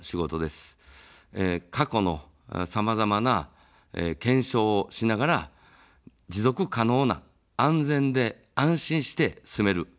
過去のさまざまな検証をしながら持続可能な安全で安心して住める日本をつくる。